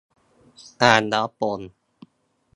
อ่านแล้วปลง